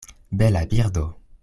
Bela birdo!